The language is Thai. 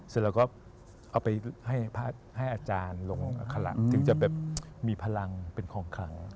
เสร็จแล้วก็เอาไปให้อาจารย์ลงอัคลักษณ์ถึงจะแบบมีพลังเป็นคล่องคลัง